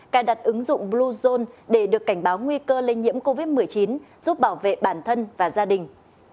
cài đặt ứng dụng bluezone để được cảnh báo nguy cơ lây nhiễm covid một mươi chín giúp bảo vệ bản thân và gia đình